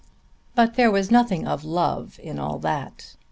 But there was nothing of love in all that.